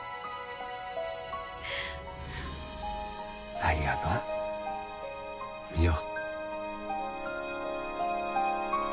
ありがとう海音。